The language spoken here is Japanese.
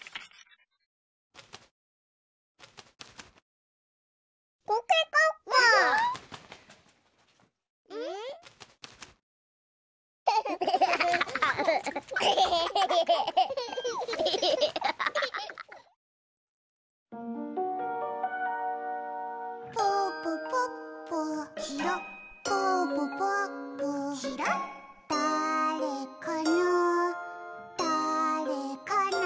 「だぁれかなだぁれかな」